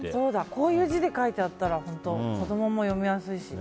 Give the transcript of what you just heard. こういう字で書いてあったら本当、子供も読みやすいし。